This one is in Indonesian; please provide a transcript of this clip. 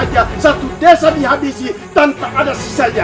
setiap satu desa dihabisi tanpa ada sisanya